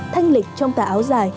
thanh lịch trong tà áo giải